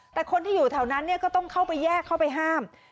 แต่คนที่อยู่แถวนั้นก็ต้องเข้าไปแยกเข้าไปห้าม